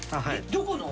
どこの？